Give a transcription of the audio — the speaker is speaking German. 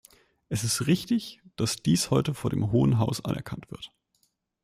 Es ist richtig, dass dies heute vor dem Hohen Haus anerkannt wird.